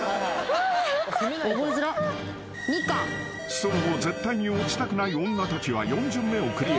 ［その後絶対に落ちたくない女たちは４巡目をクリア。